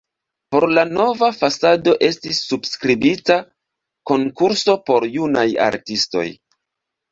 Por la nova fasado estis subskribita konkurso por junaj artistoj.